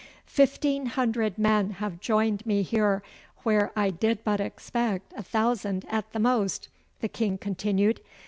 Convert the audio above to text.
'Fifteen hundred men have joined me here where I did but expect a thousand at the most,' the King continued.